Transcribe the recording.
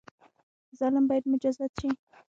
ظالم باید مجازات شي